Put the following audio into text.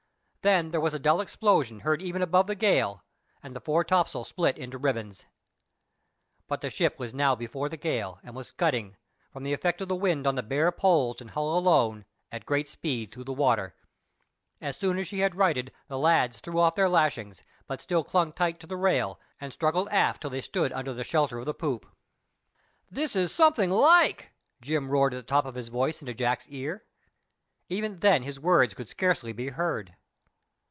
Then there was a dull explosion heard even above the gale, and the fore topsail split into ribbons. But the ship was now before the gale, and was scudding, from the effect of the wind on the bare pole and hull alone, at great speed through the water. As soon as she had righted the lads threw off their lashings, but still clung tight to the rail, and struggled aft till they stood under shelter of the poop. "This is something like!" Jim roared at the top of his voice into Jack's ear. Even then his words could scarcely be heard.